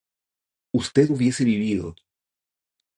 usted hubiese vivido